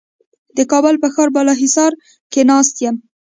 د کابل په ښار په بالاحصار کې ناست یم.